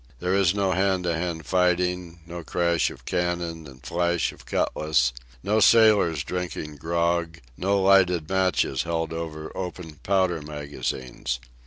There is no hand to hand fighting, no crash of cannon and flash of cutlass, no sailors drinking grog, no lighted matches held over open powder magazines.